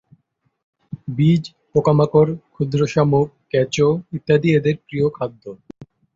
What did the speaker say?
বীজ, পোকামাকড়, ক্ষুদ্র শামুক, কেঁচো ইত্যাদি এদের প্রিয় খাদ্য।